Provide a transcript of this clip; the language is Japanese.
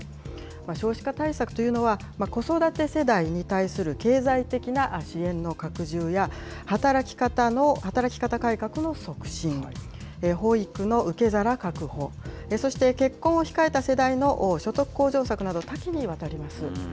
少子化対策というのは、子育て世代に対する経済的な支援の拡充や、働き方改革の促進、保育の受け皿確保、そして結婚を控えた世代の所得向上策など多岐にわたります。